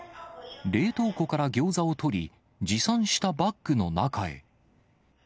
冷凍庫からギョーザを取り、持参したバッグの中へ。